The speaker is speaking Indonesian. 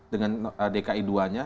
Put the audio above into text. dengan dki dua nya